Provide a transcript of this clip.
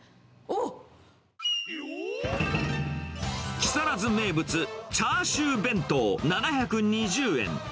木更津名物、チャーシュー弁当７２０円。